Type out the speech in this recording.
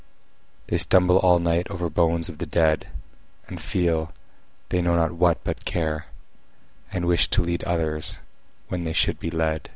They stumble all night over bones of the dead; And feel—they know not what but care; And wish to lead others, when they should be led.